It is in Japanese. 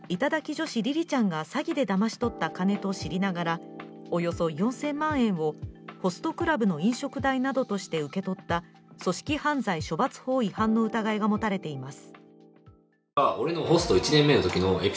女子りりちゃんが詐欺でだまし取った金と知りながら、およそ４０００万円をホストクラブの飲食代などとして受け取った組織犯罪処罰法違反の疑いが持たれています。